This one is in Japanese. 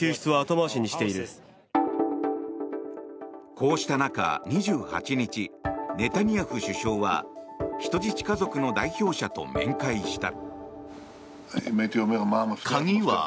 こうした中、２８日ネタニヤフ首相は人質家族の代表者と面会した。